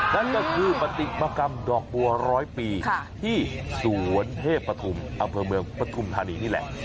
นั่นก็คือปฏิมกรรมดอกบัวร้อยปีที่สวนเทพปฐุมอำเภอเมืองปฐุมธานีนี่แหละ